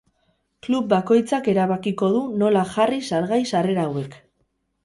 Klub bakoitzak erabakiko du nola jarri salgai sarrera hauek.